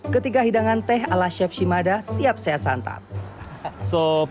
ketiga hidangan teh ala chef shimada siap saya santap